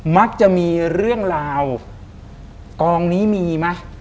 มักจะมีเรื่องราวกองนี้มีไหม